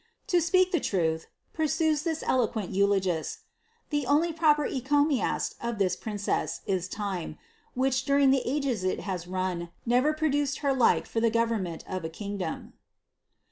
To speak the truth," putaes this eloquent eulogist, '^ the only proper encomiast of this prin eess is time, which, during the ages it has run, never produced her like lor the government of a kingdom."